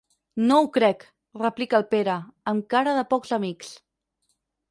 No ho crec —replica el Pere, amb cara de pocs amics—.